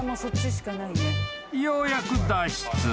［ようやく脱出。